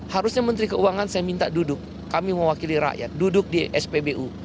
harusnya menteri keuangan saya minta duduk kami mewakili rakyat duduk di spbu